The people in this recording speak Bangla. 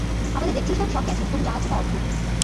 আমাদের দেখছিস না সব গেছে, তবু যা আছে তা অদ্ভুত।